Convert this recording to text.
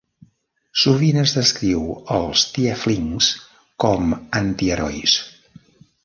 Sovint es descriu els tieflings com antiherois.